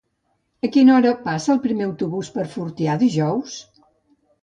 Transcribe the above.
A quina hora passa el primer autobús per Fortià dijous?